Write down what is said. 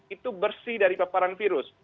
itu bersih dari paparan virus